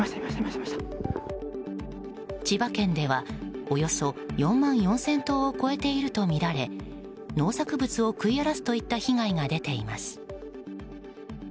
千葉県ではおよそ４万４０００頭を超えているとみられ農作物を食い荒らすといった被害が出ています。